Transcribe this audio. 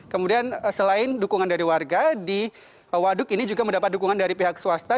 kemudian selain dukungan dari warga di waduk ini juga mendapat dukungan dari pihak swasta